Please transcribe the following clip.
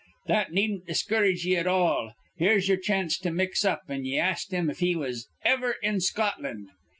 That needn't discourage ye at all, at all. Here's yer chance to mix up, an' ye ask him if he was iver in Scotland.